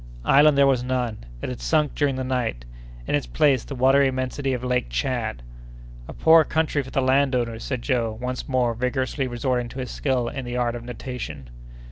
Island there was none. It had sunk during the night. In its place, the watery immensity of Lake Tchad! "A poor country for the land owners!" said Joe, once more vigorously resorting to his skill in the art of natation.